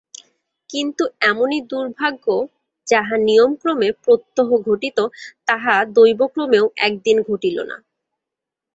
কিন্তু এমনি দুর্ভাগ্য, যাহা নিয়মক্রমে প্রত্যহ ঘটিত, তাহা দৈবক্রমেও একদিন ঘটিল না।